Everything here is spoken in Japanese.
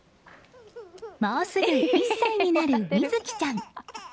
もうすぐ１歳になる美澄稀ちゃん。